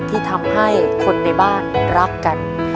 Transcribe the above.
ที่ทำให้คนในบ้านรักกัน